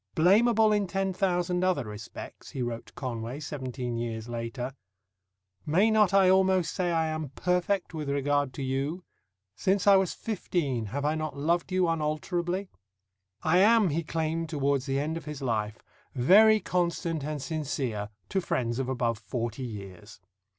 "Blameable in ten thousand other respects," he wrote to Conway seventeen years later, "may not I almost say I am perfect with regard to you? Since I was fifteen have I not loved you unalterably?" "I am," he claimed towards the end of his life, "very constant and sincere to friends of above forty years."